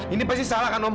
ini pasti salah kan om